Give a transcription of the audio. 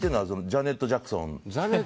ジャネット・ジャクソン。